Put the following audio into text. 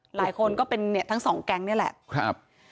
หลายคนก็เป็นทั้งสองแกงเนี่ยแหละครับ